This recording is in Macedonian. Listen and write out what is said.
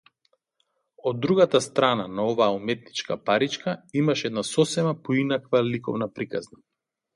Од другата страна на оваа уметничка паричка, имаше една сосема поинаква ликовна приказна.